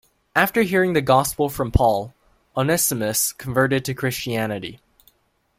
After hearing the Gospel from Paul, Onesimus converted to Christianity.